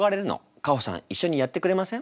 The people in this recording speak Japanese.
カホさん一緒にやってくれません？